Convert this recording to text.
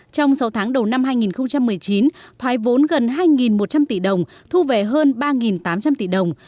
trong sáu tháng đầu năm hai nghìn một mươi chín thoái vốn gần hai một trăm linh tỷ đồng thu về hơn ba tám trăm linh tỷ đồng